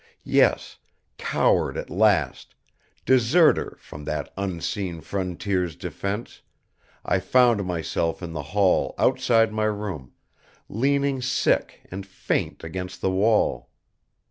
Yes, coward at last, deserter from that unseen Frontier's defense, I found myself in the hall outside my room, leaning sick and faint against the wall.